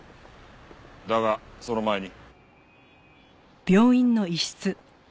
だがその前に。